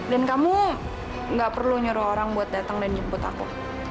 dan kamu nggak perlu nyuruh orang buat datang dan jemput aku